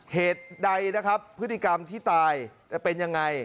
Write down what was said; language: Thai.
เหตุใดนะครับพฤติกรรมที่ตายจะเป็นยังไง